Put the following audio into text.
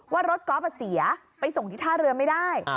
ว่ารถกอล์ฟเสียไปส่งที่ท่าเรือไม่ได้